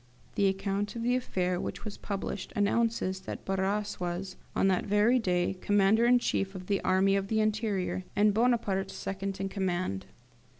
The account of the affair which was published announces that Barras was, on that very day, Commander in chief of the Army of the Interior, and Bonaparte second in command.